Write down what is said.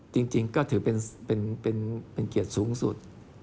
จริงก็ถือเป็นเกียรติสูงสุด